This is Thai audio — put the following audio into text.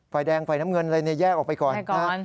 ไฟแดงไฟน้ำเงินอะไรเนี่ยแยกออกไปก่อนนะครับ